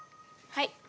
はい。